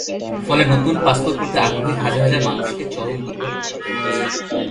ফলে নতুন পাসপোর্ট করতে আগ্রহী হাজার হাজার মানুষকে চরম দুর্ভোগ পোহাতে হচ্ছে।